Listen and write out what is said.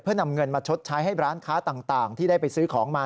เพื่อนำเงินมาชดใช้ให้ร้านค้าต่างที่ได้ไปซื้อของมา